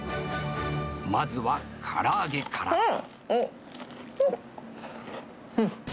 まずはから揚げから。